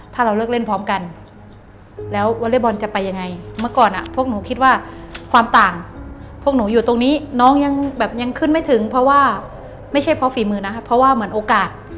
ถ้าเราเลิกเล่นพร้อมกัน